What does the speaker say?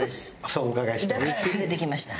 そうお伺いして。